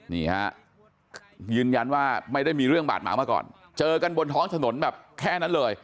นี่ฮะยืนยันว่าไม่ได้มีเรื่องบาดหมามาก่อนเจอกันบนท้องถนนแบบแค่นั้นเลย